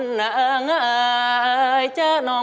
เจอเลือกแล้วนะ